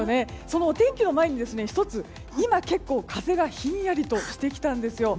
お天気の前に１つ今、結構風がひんやりとしてきたんですよ。